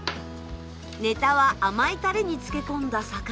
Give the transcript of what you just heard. ネタは甘いタレに漬け込んだ魚。